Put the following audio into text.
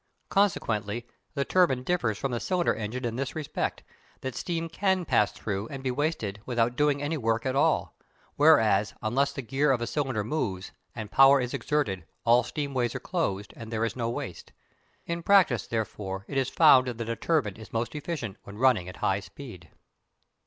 Consequently the turbine differs from the cylinder engine in this respect, that steam can pass through and be wasted without doing any work at all, whereas, unless the gear of a cylinder moves, and power is exerted, all steam ways are closed, and there is no waste. In practice, therefore, it is found that a turbine is most effective when running at high speed.